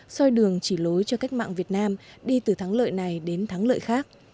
soi đường chỉ lối cho cách mạng việt nam đi từ thắng lợi này đến thắng lợi khác